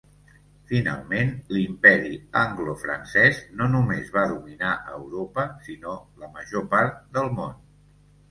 Finalment, l'imperi anglofrancès no només va dominar Europa, sinó la major part del món.